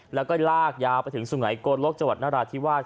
แล้วก็ลากยาวไปถึงสุงัยโกลกจังหวัดนราธิวาส